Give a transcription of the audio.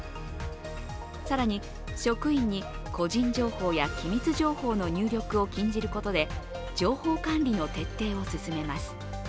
更に、職員に個人情報や機密情報の入力を禁じることで情報管理の徹底を進めます。